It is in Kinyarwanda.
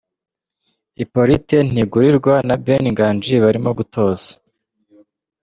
Hypolite Ntigurirwa na Beni Nganji barimo gutoza.